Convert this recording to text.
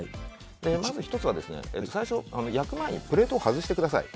まず１つは、最初焼く前にプレートを外してください。